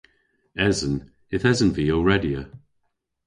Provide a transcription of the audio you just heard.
Esen. Yth esen vy ow redya.